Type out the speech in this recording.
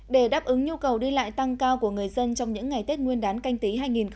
để đáp ứng nhu cầu đi lại tăng cao của người dân trong những ngày tết nguyên đán canh tí hai nghìn hai mươi